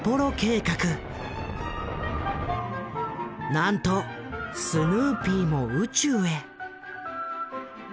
なんとスヌーピーも宇宙へ。